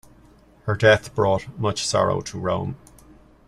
Her death brought much sorrow to Rome.